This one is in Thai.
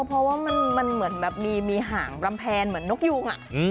เพราะว่ามันเหมือนแบบมีหางรำแพนเหมือนนกยุง